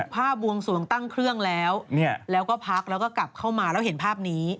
บวงสวงตั้งเครื่องแล้วแล้วก็พักแล้วก็กลับเข้ามาแล้วเห็นภาพนี้